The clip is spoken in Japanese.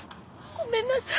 ごめんなさい。